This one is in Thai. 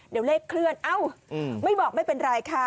เดี๋ยวเลขเคลื่อนเอ้าไม่บอกไม่เป็นไรค่ะ